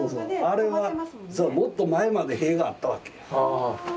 あれはもっと前まで塀があったわけや。